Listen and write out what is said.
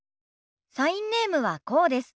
サインネームはこうです。